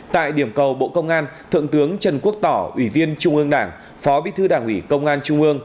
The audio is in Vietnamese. tại điểm cầu bộ công an thượng tướng trần quốc tỏ ủy viên trung ương đảng phó bí thư đảng ủy công an trung ương